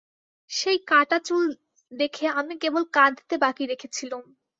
সেই কাটা চুল দেখে আমি কেবল কাঁদতে বাকি রেখেছিলুম।